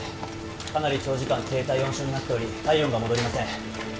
かなり長時間低体温症になっており体温が戻りません。